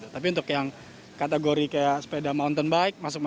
tapi untuk yang kategori kayak sepeda mountain bike masuk